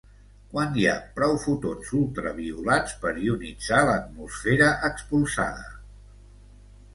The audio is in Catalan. Quan hi ha prou fotons ultraviolats per ionitzar l'atmosfera expulsada?